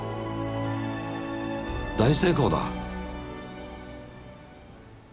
大成功だ！